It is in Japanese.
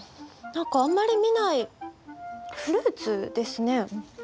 何かあんまり見ないフルーツですね。